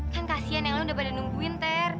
kan kasihan yang lu udah pada nungguin ter